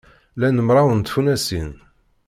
Lan mraw n tfunasin.